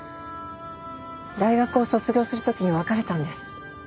大学を卒業する時に別れたんです。